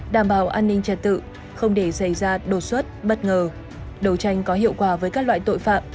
đảm bảo an ninh trật tự không để xảy ra đột xuất bất ngờ đấu tranh có hiệu quả với các loại tội phạm